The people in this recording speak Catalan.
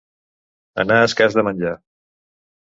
Anar escàs de menjar.